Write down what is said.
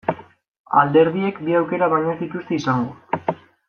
Alderdiek bi aukera baino ez dituzte izango.